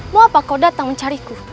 mau apa kau datang mencariku